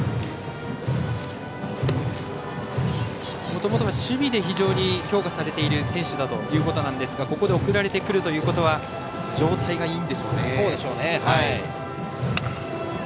もともとは守備で非常に評価されている選手だということなんですがここで送られてくるということは状態がいいんでしょうね。